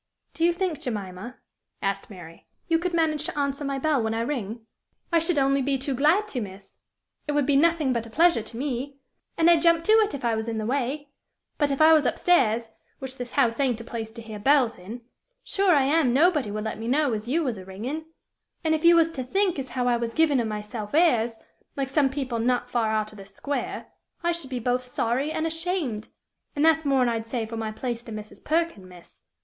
"Do you think, Jemima," asked Mary, "you could manage to answer my bell when I ring?" "I should only be too glad, miss; it would be nothing but a pleasure to me; and I'd jump to it if I was in the way; but if I was up stairs, which this house ain't a place to hear bells in, sure I am nobody would let me know as you was a ringin'; and if you was to think as how I was giving of myself airs, like some people not far out of this square, I should be both sorry and ashamed an' that's more'n I'd say for my place to Mrs. Perkin, miss."